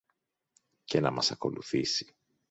και να μας ακολουθήσει.